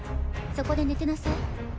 そこで寝てなさい。